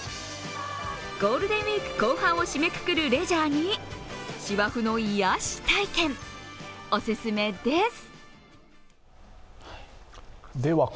ゴールデンウイーク後半を締めくくるレジャーに芝生の癒やし体験、オススメです！